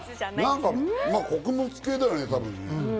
でも穀物系だよね、多分。